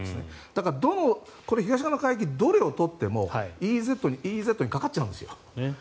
だから、東側の海域どれを取ってもＥＥＺにかかっちゃうんですよ。